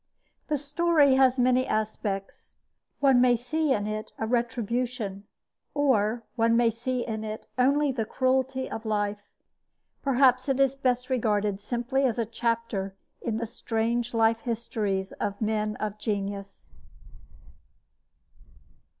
The story has many aspects. One may see in it a retribution, or one may see in it only the cruelty of life. Perhaps it is best regarded simply as a chapter in the strange life histories of men of genius.